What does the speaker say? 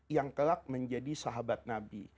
yang kelak menjadi sahabat nabi